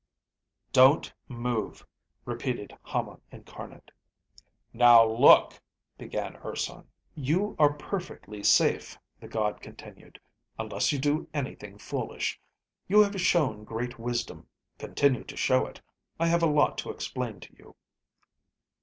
"Don't move," repeated Hama Incarnate. "Now look " began Urson. "You are perfectly safe," the god continued, "unless you do anything foolish. You have shown great wisdom. Continue to show it. I have a lot to explain to you."